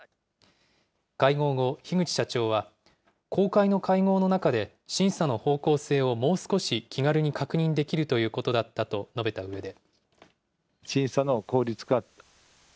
会合後、樋口社長は、公開の会合の中で、審査の方向性をもう少し気軽に確認できるということだったと述べたうえで。